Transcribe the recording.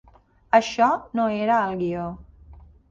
Això no era al guió.